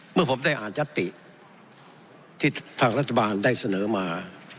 เมื่อผมได้อากฆุปศาสตร์ที่ทางรัฐบาลได้เสนอมา